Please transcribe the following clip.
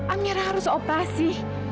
amira harus operasi